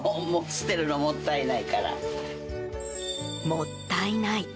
もったいない。